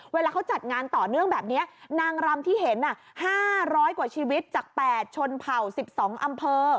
เวลาเขาจัดงานต่อเนื่องแบบนี้นางรำที่เห็น๕๐๐กว่าชีวิตจาก๘ชนเผ่า๑๒อำเภอ